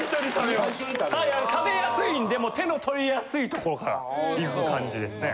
はい食べやすいんで手の取りやすいところからいく感じですね。